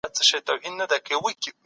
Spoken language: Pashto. د انسان عقل هغه ته لاره ښيي.